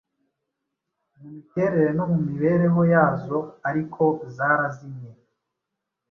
mu miterere no mu mibereho yazo ariko zarazimye